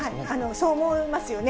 そう思いますよね。